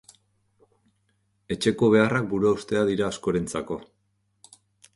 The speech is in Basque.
Etxeko beharrak buruhaustea dira askorentzako.